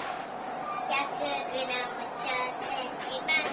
１００グラムちょうせんします！